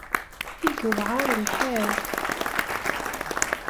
I yewɛer lḥal!